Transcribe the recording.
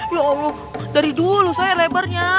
ya allah dari dulu saya lebarnya